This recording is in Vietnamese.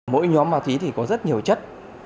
mỗi nhóm ma túy thì có rất nhiều chất